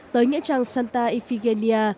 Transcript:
tới nghĩa trang santa ifigenia